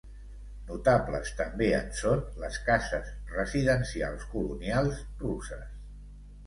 Notables també en són les cases residencials colonials russes.